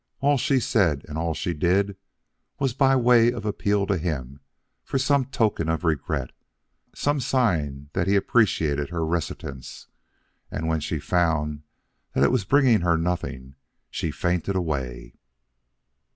All she said and all she did was by way of appeal to him for some token of regret, some sign that he appreciated her reticence; and when she found that it was bringing her nothing, she fainted away."